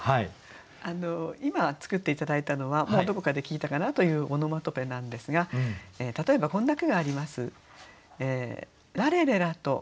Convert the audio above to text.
今作って頂いたのはもうどこかで聞いたかなというオノマトペなんですが例えばこんな句があります。